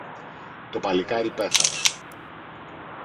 Το παλικάρι πέθανε.